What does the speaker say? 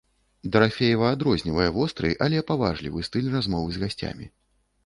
Дарафеева адрознівае востры, але паважлівы стыль размовы з гасцямі.